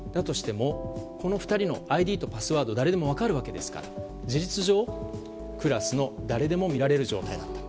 この２人のＩＤとパスワードは誰でも分かるわけですから事実上クラスの誰でも見られる状態だったと。